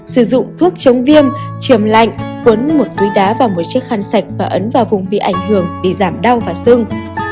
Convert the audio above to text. sử dụng thuốc chống viêm trường lạnh quấn một túi đá và một chiếc khăn sạch và ấn vào vùng bị ảnh hưởng để giảm đau và sưng